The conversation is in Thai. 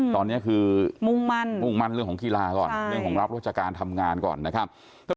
ตอนนี้คือมุ่งมั่นมุ่งมั่นเรื่องของกีฬาก่อนเรื่องของรับราชการทำงานก่อนนะครับ